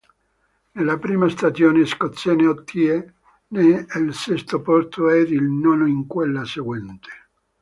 Nella prima stagione scozzese ottiene il sesto posto ed il nono in quella seguente.